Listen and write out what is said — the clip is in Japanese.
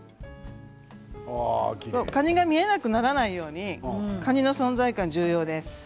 カニが見えなくならないようにカニの存在感が重要です。